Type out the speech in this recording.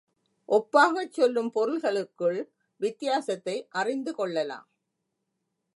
ஒப்பாகச் சொல்லும் பொருள்களுக்குள் வித்தியாசத்தை அறிந்து கொள்ளலாம்.